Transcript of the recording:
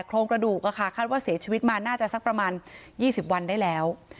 โครงกระดูกคาดว่าเสียชีวิตมาน่าจะสักประมาณ๒๐วันได้แล้ว